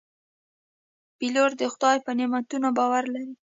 پیلوټ د خدای په نعمتونو باور لري.